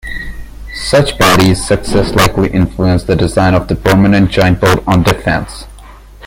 Such bodies' success likely influenced the design of the Permanent Joint Board on Defense.